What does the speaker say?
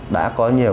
đã có nhiều